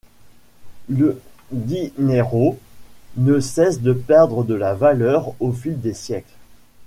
Le dinheiro ne cesse de perdre de la valeur au fil des siècles.